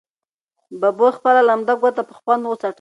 ببو خپله لمده ګوته په خوند وڅټله.